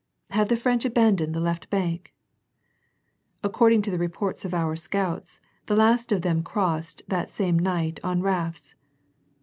"Have the French abandoned the left bank ?" "According to the reports of our scouts, the last of them crossed that same night on rafts."